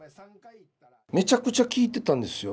めちゃくちゃ聞いてたんですよ。